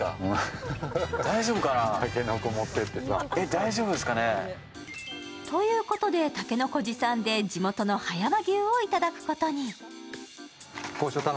大丈夫ですかね。ということで竹の子持参で地元の葉山牛をいただくことに。